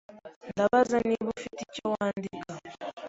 Ndabaza niba ufite icyo wandika.